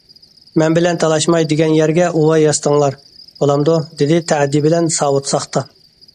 مەن بىلەن تالاشماي، دېگەن يەرگە ئۇۋا ياسىتىڭلار، بولامدۇ؟- دېدى تەئەددى بىلەن ساۋۇت ساختا.